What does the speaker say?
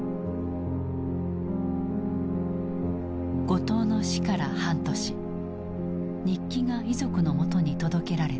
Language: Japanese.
後藤の死から半年日記が遺族のもとに届けられた。